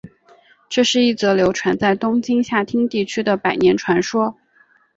这是一则流传在东京下町地区的百年传说。